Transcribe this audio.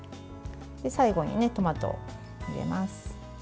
最後にトマトを入れます。